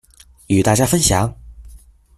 与大家分享